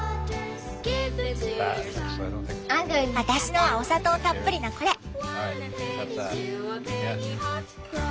私のはお砂糖たっぷりなこれ！